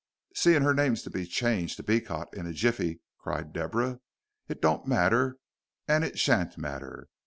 "Seein' her name's to be changed to Beecot in a jiffy," cried Deborah, "it don't matter, and it sha'n't matter.